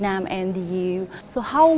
nhiều công việc mới